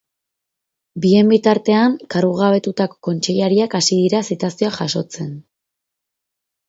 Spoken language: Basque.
Bien bitartean, kargugabetutako kontseilariak hasi dira zitazioak jasotzen.